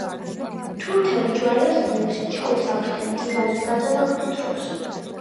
თურქები ჯვაროსნებს ჩაუსაფრდნენ მდინარის გადალახვის დროს.